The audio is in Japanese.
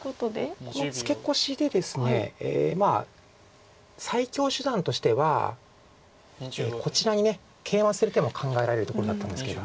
まあ最強手段としてはこちらにケイマする手も考えられるところだったんですけども。